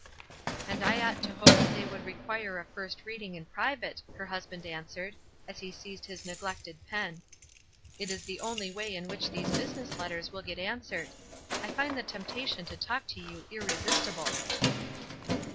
"And I ought to hope that they would require a first reading in private," her husband answered, as he seized his neglected pen. "It is the only way in which these business letters will get answered. I find the temptation to talk to you irresistible."